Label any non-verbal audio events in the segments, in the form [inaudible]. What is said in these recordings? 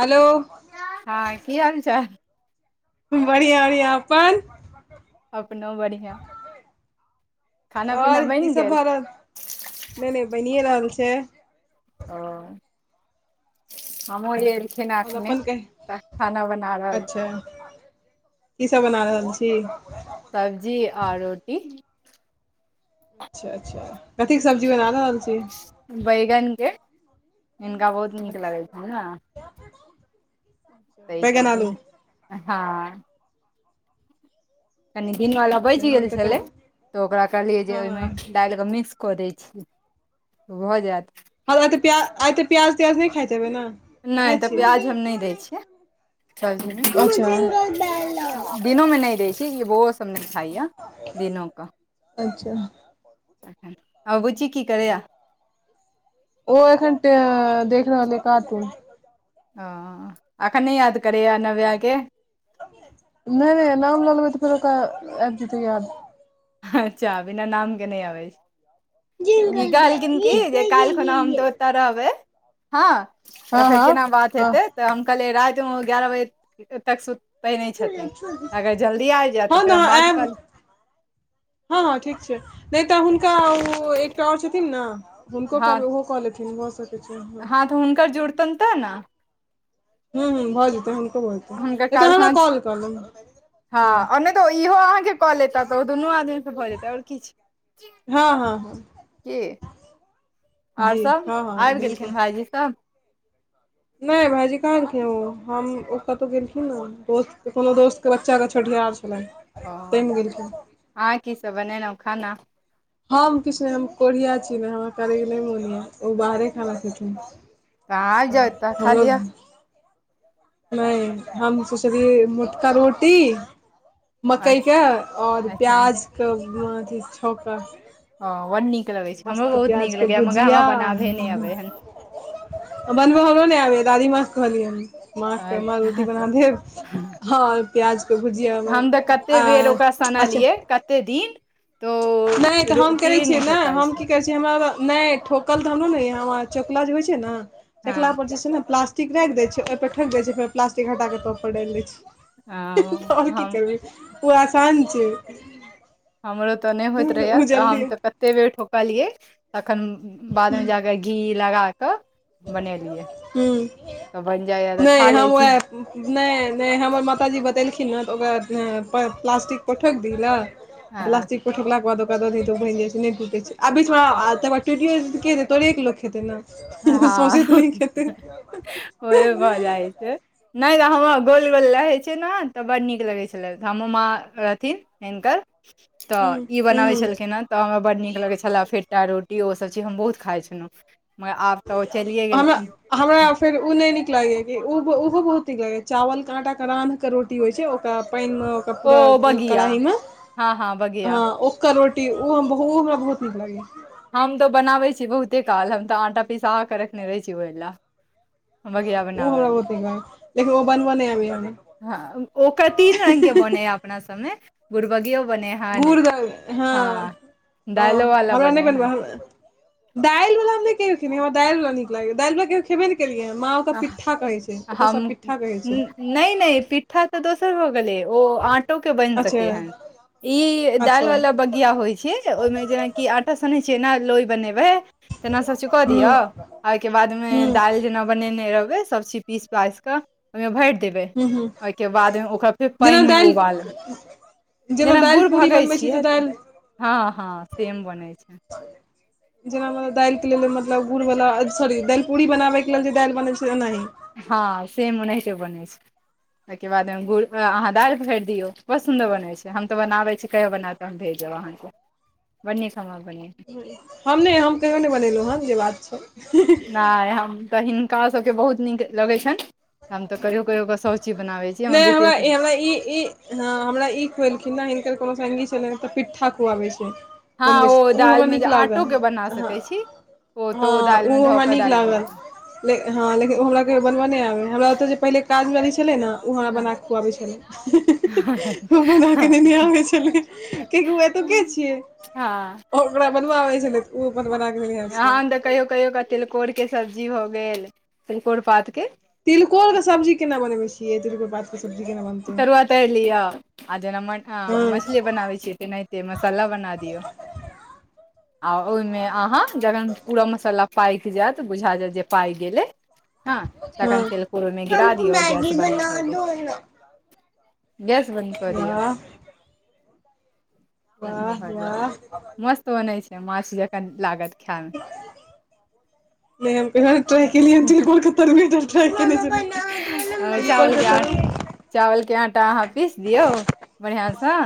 Hello. हँ, कि हालचाल? बढ़िया बढ़िया अपन? अपनो बढ़िआँ। खाना पीना आओर ई बनि सभ गेल भऽ रहल, नहि नहि बनिए रहल छै। ओ, हमहुँ। खिन आओर एखने अपन कही तऽ खाना बना रहल। कि सभ बना रहल छै। सब्जी आ रोटी। अच्छा, अच्छा, कथीके सब्जी बना रहल छै। बैगनके इनका बहुत नीक लगै अच्छा छै। सही बैगन कहलखिन आलू हैं। कनि दिनवला नहि बचि गेल हम तऽ छलै कनि तऽ ओकरा कहलियै जे हँ हँ ओहिमे। हँ डाल कऽ मिस कऽ दै छीयै भऽ जायत। हज़ आइ तऽ प्याज आइ तऽ प्याज त्याज नहि खाइतेबै ने। की नहि खाइ तऽ प्याज छियै हम नहि दै छियै, अच्छा सब्जीमे। दिनो मे नै रही छै वो सभ ना खाई या दिनो क। अच्छा तखन आ बूची कि करैया? ओ एखन देख रहल छै काटुन। ओ, एखन नहि याद करैए नव्यके। नहि नहि नाम लगलै तऽ फेर ओकरा आब जेतै याद। अच्छा बिना नामके नहि अबै ई कहलखिन की ये ना जे ये काल्हि ये खुना हम ये तऽ। तरबे हँ त हँ फेर हँ केना बात हँ हेतै तऽ हम कहलियै रातिमे गयारह बजे तक सुत पहि नहि छथिन छोड़ि छोड़ि दे अगर जल्दी आबि जायत तऽ हँ ने फेर हम बात आयब करब हँ हँ ठीक छै नहि तऽ हुनका ओ एकटा आओर छथिन ना हुनको हँ क ओहोऽ लेथिन भ हँ तऽ हुनकर जुड़तनि तऽ नै हू ह भऽ जेतै हुनक भ जेतए तऽ हमरा कल करू हँं आ नहि तऽ ओ इहो अहाँके कऽ लेता तऽ ओ दुनू आदमीसँ भऽ जेतै आओर किछ हँ हँ ह आओर जी सब हँ हँ आबि बिल्कुल गेलखिन भाईजी सब नहि भायजी कहलखिन ओ हम ओ कतहु गेलखिन ने दोस्त कोनो दोस्तके बच्चाकेँ छठिहार च [inaudible] ओ अहा की सब बनेेलहुँ खाना हम किछु नहि हम कोढ़िया छी नहि हमरा करैके नहि मोन यऽ ओ बाहरे खाना खथिन तऽ आ जाउ तऽ खालिया नहि हम सोचलै मोटका रोटी मकई अच्छा के और अच्छा प्याज के अथि छौका हँ बड्ड नीक लगै छै हमरो बहुत नीक प्याजके लगैए मगर हमरा बनाबहे नहि अबै ह बनबै हमरो नहि आबैए दादीमाँके कहलियै माँकेाँ रोटी अच्छा बना दैब हँ प्याज के भुजियामे हम तऽ कते आ बेर ओकरा अच्छा सनलियै कते दिन तो नहि तऽ हम करै रोटिये छियै नहि ने ठोकाइ हम छै की करै छि ठोकल तऽ हमरो ने य चकला जे होय छै ने हँ चकला पर जे छै ने प्लास्टिक टीक राखि देय छै हि पर ठकि देय छै फेर प्लास्टिक हटाके तो पर डालि दय हँ छै आओर की हम करबै ओ आसान छै हमरो ते नहि होइत रहेये ओ त जल्दी हम ते कते बेर ठोकलिये तखन बाद में जाकै घी लगा कऽ बनेलियै ह तऽ बनि जाइया तऽ नहि खा हम लै छी उएह नहि नहि हमर माताजी बतेलखिन हँ तऽ ओकरा प्लास्टिक प ठोकि दीए ला हँ प्लास्टिक ओठकलाक बाद ओकाद द हतै ओ बनि जाइ छै नहिटूटै छै आ बीच तकर टिओ हतै तोरेक लोक खेतै ना सोसे तऽ नहि हँ खेतै होए भऽ जाइ छै नहि तऽ हमर गोल गोल रहै छै ने तऽ बड्ड नीक लगै छलैऽ हमरो माँ रहथिन हिनकर तऽ ह ई बनाबै ह छलखिन हन तऽ हमरा बड नीक लगै छलै फेटा रोटी ओसभ चीज हम बहुत खाइत छलहुँ मगर आब तऽ ओ चलिय हमरा गेलखिन हमरा फेर उ नहि नीक लागेया ओहो बहुत नीक लागे चावल केआटा के रानह के रोटी होइ छै ओकरा पानि मे ओ पूरा कढाई मे हँ हँ बगिया अ ओ करोटी ओ ओ हमरा बहुत नीक लागैया हम तऽ बनाबै छी बहुते काल हम तऽ आटा पिसा कऽ रखने रहैत छी ओहि लए बगिया ह ओ बनाबै हमरा लए बतेगा ह लेकिन ओ बनबो नहि आबी [unintelligible] हँ ओकर तीन रंगग के बनैया अपना सभमे घूर द हँ दालो हँ वाला हमरा नहि बने हन बनबै दालि बला ने केओ खरा दालिवला न लाग दलिवला के खेबे नहि केलियै माँ ओतऽ अह, पिट्ठा कहै छै ओतय सभ पिट्ठा कहै छै नैए नैए पीठा ओ दुसर भ गेल ओ आटो के बन अच्छा सके ह ई अच्छा दाल वला बगिया होइत छै ओहिमे जेनाकि आटा सनैत छिय एना लोइ बनेबै तेना सभचीज कऽ ह्म दिअ आ ओहिके बादमे ह्म दालि जेना बनेने रहबै सभचीज पीस पाइस कऽ ओहिमे भरि देबै ह्म ह्म ओहिके बाद ओकरा फेर जेना पाइन मे दालि उबालबै जेना दालि गुर पूरी भगै बनबै छी छियै तऽ दालि हँ हँ सेम बनै छै जेना दालिके लेल मतलब गुड़वला सॉरी दाल पूड़ी बनाबैके लेल जे दाल बनै छै एनाही हँ सेमना उनाहितै बने छै ताहिके बाद ओमे गुड़ अहाँ दालि भोरि दियौ बड़ सुन्दर बनैत छै हम तऽ बनाबै छी कहियो बनायब तऽ हम भेजब अहाँके [inaudible] हम नहि हम कहियो नहि बनेलहुँ हँ जे बात छै नाए हम तऽ हिनका सबके बहुत नीक लगैत छै न हम त कहियो कहियो क सब चीज बनाबे छी हम नहि हमरा बेटियो ई हमरा ई ई हँ हमरा ई खुए लखिन ह हिनकर कोनो संगी छलनि तऽ पिट्ठा खुआबैत छै हँ बनबै छी तऽ ओ हमरा दालिमे जे नीक लागय आटोके बना हं सकै छी ओ तऽ हँ दालिमे ओ धऽ हमरा कऽ नीक दालि बना लागल कऽ लेक हँ लेकिन ओ हमरा कहियो बनबई नहि आबेै हमरा ओत पहिले काज मे छले ना ओ हमरा हँ बनाकऽ खुआबै छलै हम बना कऽ नेने आबे छलिये कि कि ऊ एत के छिये हँ और ओकरा बनबबै छलै तऽ ओ अपन बनाकऽ लेने आबे छलै हम तऽ कहियो कहियो क तिलकोर के सब्जी भऽ गेल तकोर पात के। तिलकोरक सब्जी केना बनबे छियै तिलकोर पातके सब्जी केना बनतय? [inaudible] आ जेना मठा मछली बनाबै छियै तेनाहिते मसाला बना दिय आ ओहिमे वाह अहाँ वाह जखन पूरा मसाला पाकि जायत बुझा जायत जे पाकि गेलै हँ हँ तकन तिलकोर ओइमे गीरा दियऔ ग्यास बन्द कदियौ तहिना गेस बन्द कऽ दिया। तखन वाह भऽ वाह जायत मस्त बनै छै माछ जखन लागत खायमे [inaudible] नाए हम कहियों न ट्राइ कलिए तिलकोर तरुआ ट्राइ [unintelligible] चावलके आटा अहाँ पीस दियौ बढ़िआसँ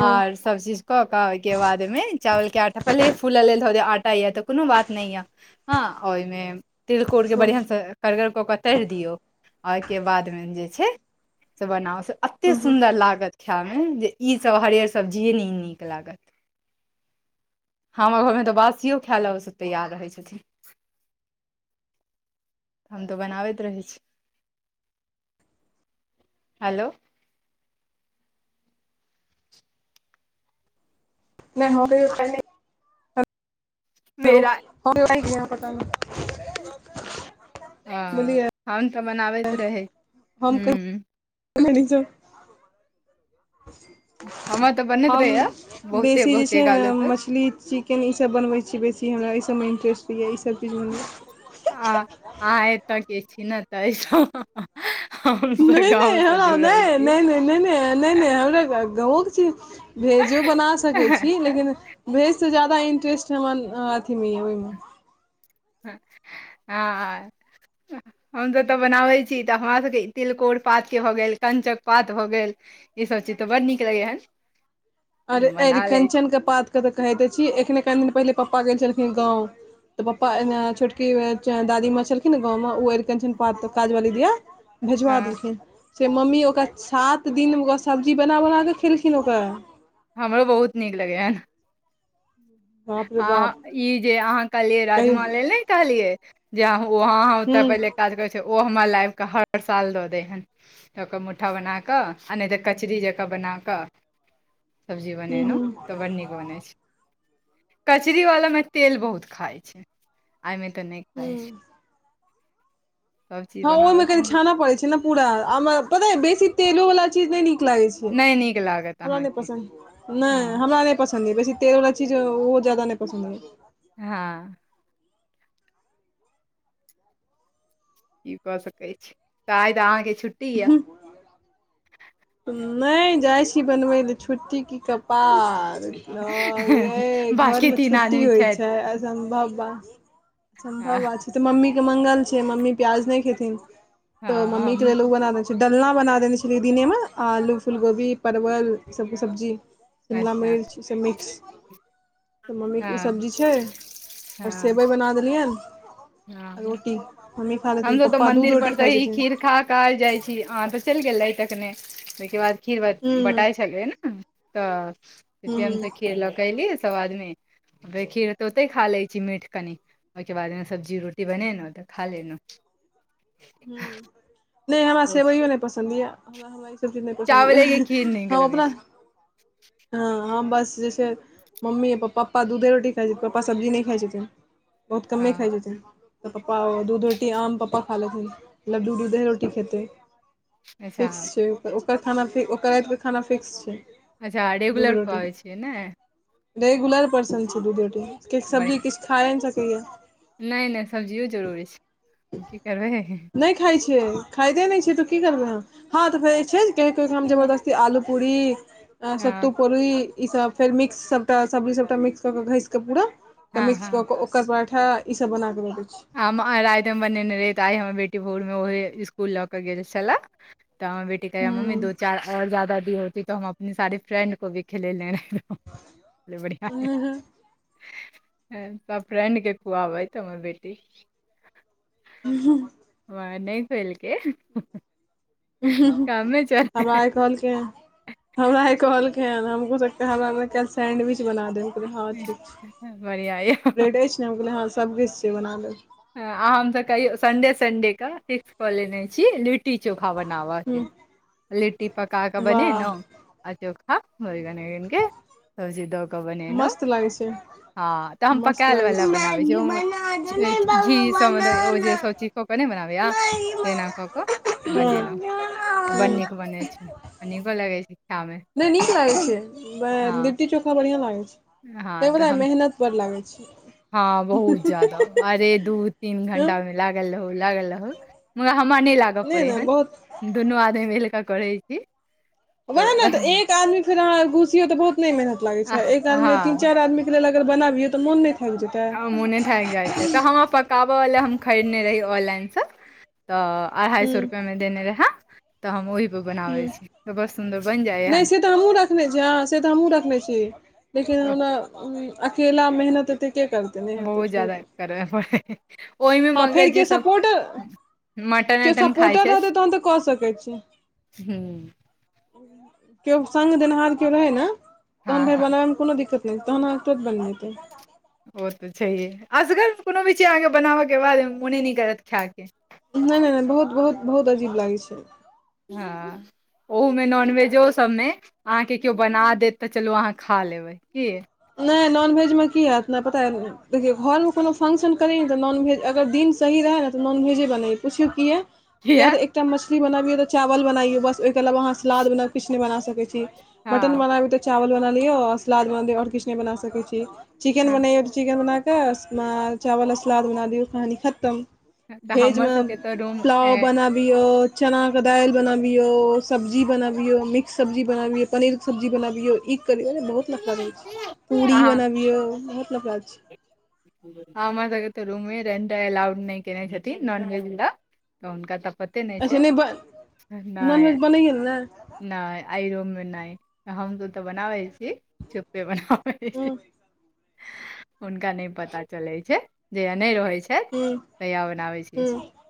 आर सब चीज कऽ के ओहिके बाद मे चावल के आटा पहिले फूलऽ ले द दिऔ आटा य तऽ कोनो बात नाए यए हँ ओहिमे तिलकोरके हँ बढ़िआँसँ करगर कऽ कऽ तरि दियौ आ ओहिके बादमे जे छै से बनाउ से अतेक हँ सुन्दर लागत खायमे जे ईसभ हरियर सब्जी नहि ई नीक लागत ह हमर घरमे तऽ बासियो खाय ल से तैयार रहै छथिन हम तऽ बनाबैत रहै छी हेलो नाए हम कहियौ [unintelligible] मेरा [inaudible] हन त बनाबैत रहै हूँ। आ [unintelligible] हमर तऽ बनैत हम रहैए बहुते बेसी जे बहुते छै ने गाले तक मछली चीकन लेकिन ईसभ बनबै छी बेसी हमरा एहिसभमे इंटरेस्ट होइए ईसभ चीज बनबमे आ आह एतय एथिन न तहिसे नहि नहि ह नहि नहि छी नहि नहि नहि नहि नहि हमरा गाव के चीज भेजो बना सकै छी लेकिन भेज से जादा इंट्रेस्ट हन अथीमे ओहिमे आ हमसभ तऽ बनाबै छी तऽ हमरासभके तिलकोर पातके भऽ गेल अरकंचन पात भऽ गेल ई सब चीज तऽ बड़ नीक लगै हन अरे हम अर बना लै कंचनक के पात के तऽ कहे देे छी एखने कनि दिन पहिले पापा गेल छलखिन गाँव तऽ पप्पा एन छोटकी दादी माँ छलखिन ने गाँवमे ओ एलखिन पात काजवाली दिया। छी। भेजबा हँ देलखिन से मम्मी ओकरा सात दिन ओ सब्जी बना बनाकऽ खेलखिन ओकरा हमरो बहुत नीक लगय हन। [inaudible] अ ई जे अहाँ कहलियए कहियो राजमा ले ने कहलियै जे ओह ओते हूँ पहिले काज करै छै ओ हमर लाएवके हर साल दऽ दै हन तऽ ओकरऽ मुठा बना कऽ आ नहि तऽ कचरी जँकाँ बना कऽ सब्जी हूँ बनेनौ हूँ तऽ बड्ड नीक बनैत छै कचरी वालामे तेल बहुत खाइ छैय एहिमे तऽ नहि खाइ हूँ छैय। हँ ओहि मे बनाबैत कनी रह छाना पड़ै छै न पूरा पता बेसी तेलो वाला चीज नै नीक लागै छै हूं नहि नीक लागत हमरा नहि अहाँके पसंद हँ नहि हमरा नहि पसन्द य बेसी तेल वला चीज ओ जादा नहि पसन्द नहि हँ ई कऽ सकै छै आइ त अहाँकेँ छुट्टी यए नहि जाइ छी बनबै लए छुट्टीे कि कपार हये घर बाँकी मे तीन छुट्टी आदमी होइ छथि छै सम्भवा आ- समभवा छै त मम्मी के मंगल छै मम्मी प्याज नहि खेथिन तो हँ मम्मी के हमहूँ लेल उ बनाबै डलना बना देने छलियै दिनेमे आलू फूलगोभी परवल ई सभके सब्जी शिमला अच्छा मिर्च ई सब मिक्स तऽ मम्मीके उ हँ सब्जी छैन आओर हँ सेवइ बना देलियनि आ हँ रोटी हम्मी खाय लेथिन पप्पा दूध रोट खाय छथिन खाक जाई छी अहाँ तऽ चलि गेल रहै तखने तहिके बाद खीर हूँ बटाई छलै ने तऽ हूँ फर हूँ हमस खीर लऽकली सभ आदमी [unintelligible] [unintelligible] बेखीर तऽ औते खा लै छी मीठ कनि। ओके बाद सब्जी रोटी बने नौ तऽ खा ले नौ ह नहि हमरा तऽ सेवइयो नहि पसन्द यऽ हम रती नै पसंद यैन चावलेके खीर नीक हम लगैत अपना छै हं बस जेछै मम्मी पप्पा दूधे रोटी खाइ छैय पप्पा सब्जी नहि खाइ छथिन। बहुत कमे हँ खाई छथिन तऽ पप्पा दूध रोटी आम पप्पा खा लेथिन लड्डू दूधे रोटी खेतै अच्छा फिक्स छै तऽ ओकर खाना फ ओकर रातके खाना फिक्स छै अच्छा दूध रेगुलर रोटी पबै छियै नै रेगुलर पर्सन छै दूध रोटी कि बढ़िआँ सब्जी किछु खाए न नहि सकैएा नहि नहि सब्जियो जरूरी छैय की करबै। नहि खाई छै खाईते नहि छै त की करबै आहाँ हँ तऽ फेर छै क काम जबरदस्ती आलू पूरी सत्तू हँ पुरि ईसभ फेर मिक्स सबटा सब्जी सबटा मिक्स कऽ क घैस कऽ पूरा तऽ हँ मिक्स हँ कऽ ओकर पराठा ईसभ बना कऽ ददै छी हम आइ राति मे बनेने रहिये तऽ आइ हमर बेटी भोरमे ओहे स्कुल लऽ के गेल छले [unintelligible] इ कहे मम्मी दो चार और जादा भी होती तऽ हम अपने सारे फ्रेंड को भी खेले ले रहे बढ़ियां फ्रेंड के खुआबै तऽ हमर बेटी [unintelligible] [inaudible] हूँ वाह नहि देलकय। हमरा आइ कहलकै या हमरा आई कहलकै हन हमको सकतेै हमरा काल सैंडविच बना देव बढ़िया य ब्रेडे एछ ने ह सबकछु छै बना लेब आ हम त कहियो संडे सडे के फिक्स कऽ लेने छी लीट लिट्टी चोखा बनाबऽके हूँ लिट्टी पका कऽ बनेनौ वाह आ चोखा बैंगन अइनके सबचीज दक बनेलौ मस्त लागै छै हँ तऽ हम मस्त लागै पकायलवला छै बनाबै छी मैगी ओ बना दो ने घी सब ओ बनाना जे सब चीज कऽ क नहि बनाबै या मैगी तना बना कऽ कऽ बनेनौ बड नीक बनेै छैय आ नीको लगे छैय। नहि नीक लागै छै हँ लिट्टी चोखा बढ़िया लागै छै हँ तऽ बता मेहन हम मेहनत बड़ लागै छै हँ बहुत जादा अरे दू तीन हँ घंटा मे लागल रहू लागल रहू मगर हमरा नहि लागय पड़ै ने बहुत हन। दुनू आदमी मिल कऽ करै छी। वएह ने तऽ एक आदमी फेर अहाँ घुसियौ तऽ बहुत नहि मेहनत लागैत छै एक आदमी तीन हँ चारि आदमी [unintelligible] अगर बनाबिय तऽ मोन नहि थाकि जेतै मोने थाक जाय छै काबवला हम खरीदने रही ऑनलाइनसँ तऽ अढ़ाइ हूँ सए रुपैआमे देने रहै तऽ हम ओहीपर हूँ बनाबैत छी तऽ बड़ सुन्दर बनि जाइ नहि से तऽ हमहूँ रखने छी हँ से तऽ हमूँ रखने छी लेकिन तऽ ओना अकेला मेहनत अते के करते बहुत जादा करय पड़ै ओहिमे हँ मंगै फेर छै केओ सब सपोर्टर मटन केओ वटन खाय सपोर्टर छै रहतै तहन तऽ कऽ सकैत छी केओ सग देनिहार केओ रहे नऽ हँ तहन फेर हँ बनबे मऽ कोनो दिक्कत नहि तहन आहाँ क [unintelligible] ओ तऽ छैहे असगर कोनो भी चीज अहाँके बनाबयके बाद मोने नहि करत खायके नहि नहि नहि बहुत बहुत बहुत अजीब लागै छै हँ ओहूमे नॉनवेजो सभमे अहाँके केओ बना देत तऽ चलू अहाँ खा लेबै नहि नॉनवेज मे की होयत नहि पता देखियौ घरमे कोनो फंक्शन करी तऽ नॉनवेज अगर दिन सही रहै ने तऽ नॉनवेजे बनाय पुछि कऽ यै। या किया तऽ एकटा माछ बना लिअ, तऽ भात बना लिअ। बस, ओहिके अलावा अहाँ सलाद वा किछु नहि बना सकैत छी। हँ मटन बनाबिय तऽ चावल बना लियो सलाद बना लिय आओर किछु नहि बना सक छी चिकेन हँ बनयौ चिकेन बना कऽ चावल आ सलाद बना दियौ कहानी खतम। तऽ भेज हमर मऽ सबके तऽ रूम प्लाव बनाब बियौ चनाके दालि बनाबियौ सब्जी बनाबियौ मिक्स सब्जी बनाबियौ पनीरके सब्जी बनाबियौ ई करियौ बहुत लफड़ रहै छै पूड़ी अहाँ बनाबियौ बहुत लफड़ा छै हमरा सबके तऽ रूममे रेंट एलाउड नहि केने छथिन नॉनवेज वा तऽ हुनका तऽ पते अच्छा छै नहि ब नॉन नहि वेज बनैय लेल नऽ नहि आइ रूम मे नहि हम तऽ ओतिय बनाबै छी चुपे बनाबे हुँ छी हुनका नहि पता चलैत छै जहिया नहि रहैत छथि हुँ तहिया बनाबै छी हुँ